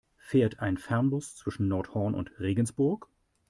Fährt ein Fernbus zwischen Nordhorn und Regensburg?